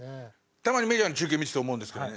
たまにメジャーの中継見てて思うんですけどね